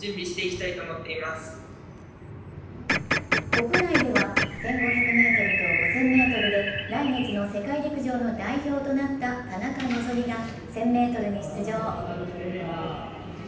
国内では１５００ｍと５０００ｍで来月の世界陸上の代表となった田中希実が１０００ｍに出場。